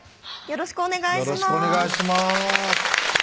よろしくお願いします